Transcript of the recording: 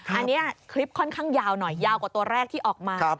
อันนี้คลิปค่อนข้างยาวหน่อยยาวกว่าตัวแรกที่ออกมา